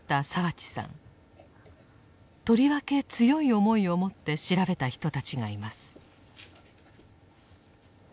とりわけ強い思いをもって調べた人たちがいます。